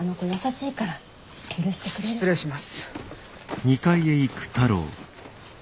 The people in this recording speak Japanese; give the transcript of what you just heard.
失礼します。